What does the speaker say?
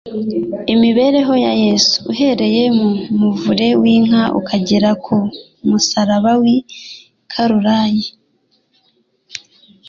Imibereho ya Yesu, uhereye mu muvure w'inka ukagera ku musaraba w'i Kaluyari,